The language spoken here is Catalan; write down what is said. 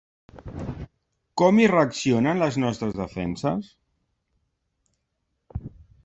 Com hi reaccionen, les nostres defenses?